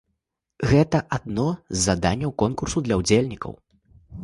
Гэта адно з заданняў конкурсу для ўдзельнікаў.